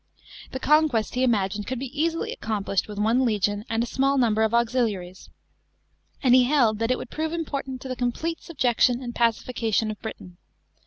The conquest, he imagined, could be easily accomplished with one legion and a small number of auxiliaries, and he held that it would prove important to the complete subjection and pacification of Britain.